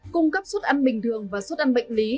cung cấp suất ăn bình thường và suất ăn bệnh lý